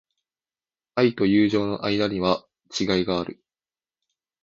愛と友情の間には違いがある。